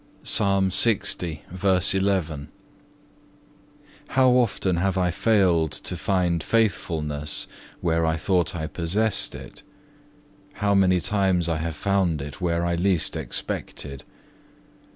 (1) How often have I failed to find faithfulness, where I thought I possessed it. How many times I have found it where I least expected.